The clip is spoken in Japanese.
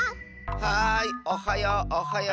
おはようおはよう。